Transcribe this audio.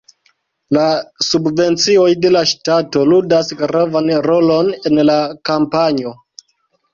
La subvencioj de la ŝtato ludas gravan rolon en la kampanjo.